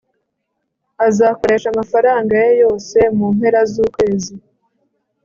azakoresha amafaranga ye yose mu mpera zukwezi